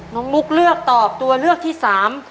นุ๊กเลือกตอบตัวเลือกที่สาม